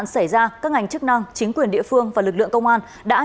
xin chào và hẹn gặp lại